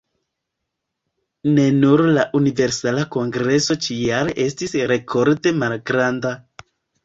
Ne nur la Universala Kongreso ĉi-jare estis rekorde malgranda.